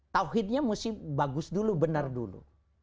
tauhidnya mesti bagus dulu benar dulu